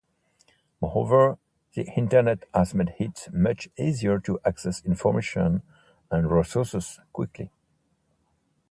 Moreover, the internet has made it much easier to access information and resources quickly.